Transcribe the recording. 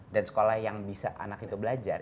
dan sekolah yang bisa anak itu belajar